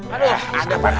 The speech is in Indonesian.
aduh ada banget